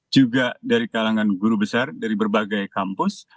juga dari kalangan guru besar dari berbagai kampus